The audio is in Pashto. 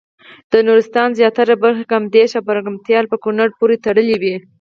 د نورستان زیاتره برخې کامدېش او برګمټال په کونړ پورې تړلې وې.